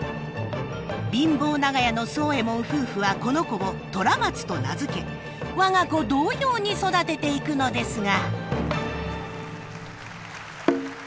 貧乏長屋の宗右衛門夫婦はこの子を虎松と名付け我が子同様に育てていくのですが。